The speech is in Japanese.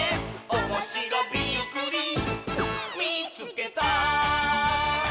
「おもしろびっくりみいつけた！」